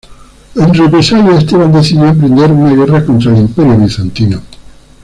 En represalia, Esteban decidió emprender una guerra contra el Imperio bizantino.